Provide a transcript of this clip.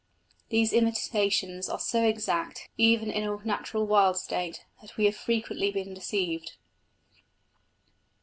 "These imitations are so exact, even in a natural wild state, that we have frequently been deceived."